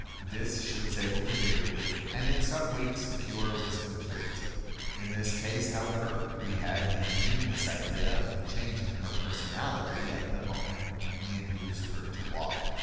This she was able to do, and in some weeks the cure was complete. In this case, however, we had the ingenious idea of changing her personality at the moment when we induced her to walk.